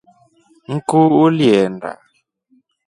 Nkuu ulienda?